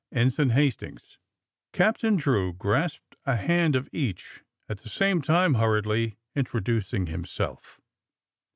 Ensign Hastings," Captain Drew grasped a hand of each, at the same time hurriedly introducing himself.